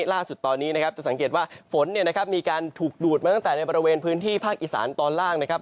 ล่าสุดตอนนี้นะครับจะสังเกตว่าฝนเนี่ยนะครับมีการถูกดูดมาตั้งแต่ในบริเวณพื้นที่ภาคอีสานตอนล่างนะครับ